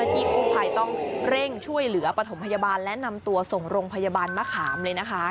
ที่กู้ภัยต้องเร่งช่วยเหลือปฐมพยาบาลและนำตัวส่งโรงพยาบาลมะขามเลยนะคะ